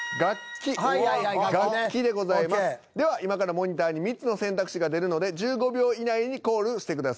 では今からモニターに３つの選択肢が出るので１５秒以内にコールしてください。